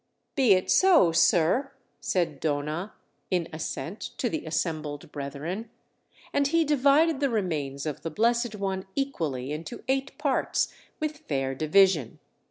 "Be it so, sir!" said Dona, in assent, to the assembled brethren. And he divided the remains of the Blessed One equally into eight parts, with fair division.